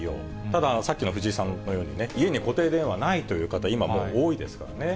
ただ、さっきの藤井さんのように、家に固定電話ないという方、今もう多いですからね。